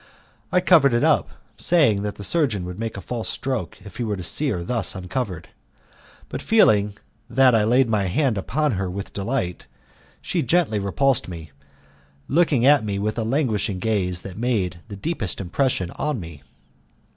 I covered it up, saying that the surgeon would make a false stroke if he were to see her thus uncovered; but feeling that I laid my hand upon her with delight, she gently repulsed me, looking at me with a languishing gaze which made the deepest impression on me.